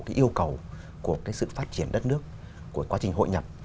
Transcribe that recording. cái yêu cầu của cái sự phát triển đất nước của quá trình hội nhập